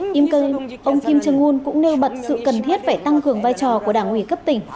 trong lúc này ông kim trương hương cũng nêu bật sự cần thiết phải tăng cường vai trò của đảng ủy cấp tỉnh